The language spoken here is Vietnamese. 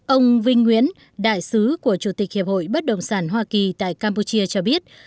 ông vinh nguyễn đại sứ của chủ tịch hiệp hội bất động sản hoa kỳ tại campuchia cho biết